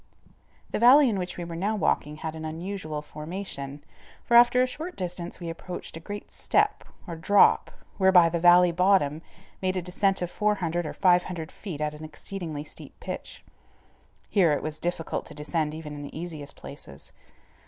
The valley in which we were now walking had an unusual formation, for after a short distance we approached a great step, or drop, whereby the valley bottom made a descent of 400 or 500 feet at an exceedingly steep pitch. Here it was difficult to descend even in the easiest places.